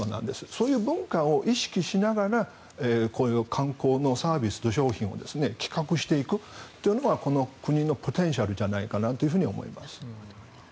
そういう文化を意識しながら観光のサービスと商品を企画していくというのがこの国のポテンシャルじゃないかなと思います。